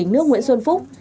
nguyễn xuân phúc